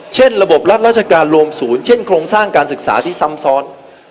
เช่นระบบรัฐราชการรวมศูนย์เช่นโครงสร้างการศึกษาที่ซ้ำซ้อน